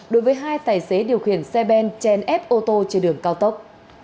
đối với hai tài xế điều khiển xe ben trên ép ô tô trên đường cao tốc